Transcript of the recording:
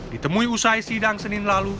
ditemui usai sidang senin lalu